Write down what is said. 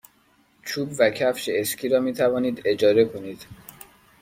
چوب و کفش اسکی را می توانید اجاره کنید.